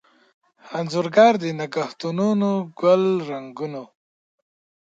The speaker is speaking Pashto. انځورګر دنګهتونوګل رنګونو